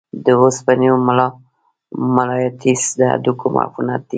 د اوسټیومایلايټس د هډوکو عفونت دی.